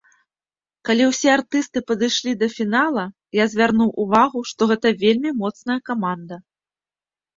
Калі ўсе артысты падышлі да фінала, я звярнуў увагу, што гэта вельмі моцная каманда.